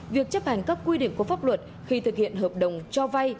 việc chấp hành các quy định của pháp luật khi thực hiện hợp đồng cho vay